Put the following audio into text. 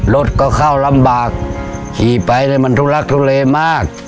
รถก็เข้าลำบากขี่ไปเลยมันทุลักทุเลมาก